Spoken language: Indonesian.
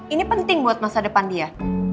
ini penting buat masa depan dia